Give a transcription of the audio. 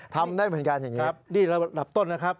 ทำได้เหมือนกันอย่างนี้ครับนี่ระดับต้นนะครับ